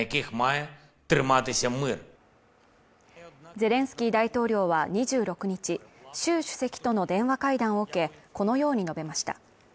ゼレンスキー大統領は２６日、習主席との電話会談を受け、このように述べました。